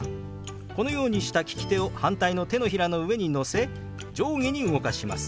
このようにした利き手を反対の手のひらの上に乗せ上下に動かします。